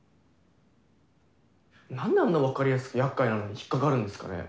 なんであんな分かりやすく厄介なのに引っ掛かるんですかね？